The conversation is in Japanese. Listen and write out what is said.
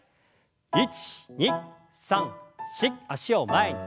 １２３４脚を前に。